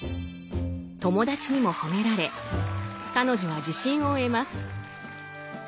友達にも褒められ彼女は自信を得ます。